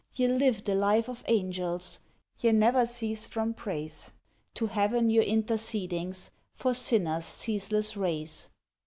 Ye live the life of Angels; Ye never cease from praise, To Heaven your intercedings For sinners ceaseless raise.